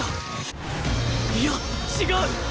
いや違う！